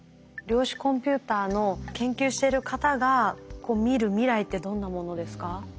量子コンピューターの研究してる方が見る未来ってどんなものですか？